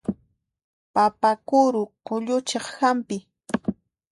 Papa kuru qulluchiq hampi.